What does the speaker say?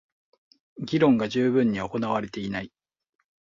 議論が充分に行われていない